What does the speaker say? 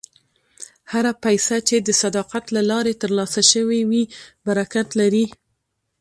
هره پیسه چې د صداقت له لارې ترلاسه شوې وي، برکت لري.